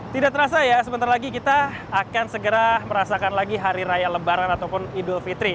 tidak terasa ya sebentar lagi kita akan segera merasakan lagi hari raya lebaran ataupun idul fitri